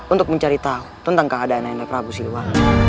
untuk mencari tahu tentang keadaan ayah anda prabu siwa